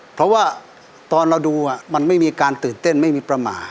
เพราะว่าตอนเราดูมันไม่มีการตื่นเต้นไม่มีประมาท